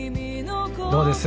どうです？